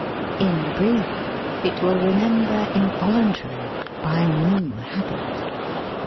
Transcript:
In brief, it will remember involuntarily, by a new habit.